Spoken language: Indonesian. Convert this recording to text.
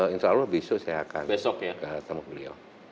insya allah besok saya akan ketemu beliau